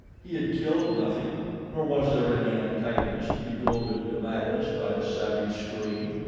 He had killed nothing, nor was there any antagonist to be goaded to madness by the savage scream.